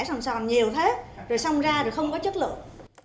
sòn sòn nhiều thế rồi xong ra rồi không có chất lượng